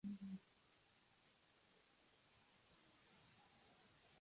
Asimismo, en los últimos años la rama de servicios al público ha crecido considerablemente.